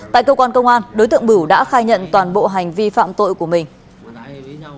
tại cơ quan công an đối tượng bửu đã khai nhận toàn bộ hành vi phạm tội của mình